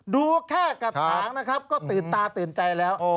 ดูแค่กระถางนะครับก็ตื่นตาตื่นใจแล้ว